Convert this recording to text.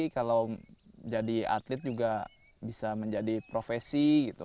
kalau jadi atlet juga bisa menjadi profesi gitu